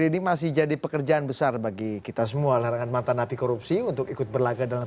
di makamah agung